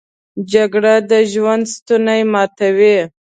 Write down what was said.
جګړه د ژوند ستونی ماتوي